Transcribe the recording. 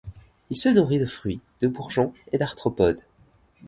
Il se nourrit de fruits, de bourgeons et d'arthropodes.